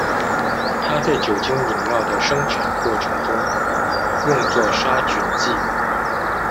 它在酒精饮料的生产过程中用作杀菌剂。